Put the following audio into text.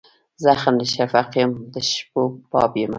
زخم د شفق یم د شپو باب یمه